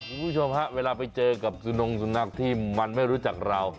คุณผู้ชมฮะเวลาไปเจอกับสุนงสุนัขที่มันไม่รู้จักเรา